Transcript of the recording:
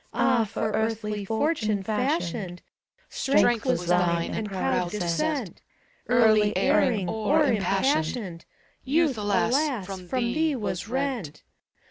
Ah! for earthly fortune fashioned, Strength was thine, and proud descent: Early erring, o'er impassioned, Youth, alas! from thee was rent.